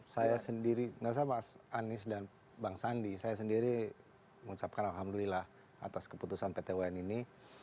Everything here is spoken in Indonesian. saya sendiri nggak sama mas anies dan bang sandi saya sendiri mengucapkan alhamdulillah atas keputusan pt un ini